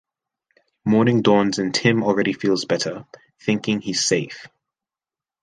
Morning dawns and Tim already feels better, thinking he's safe.